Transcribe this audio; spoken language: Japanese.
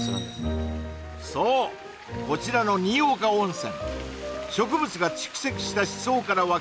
そうこちらの新岡温泉